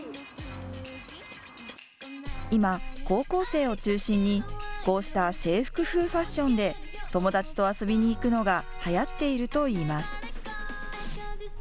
今、高校生を中心にこうした制服風ファッションで友達と遊びに行くのがはやっているといいます。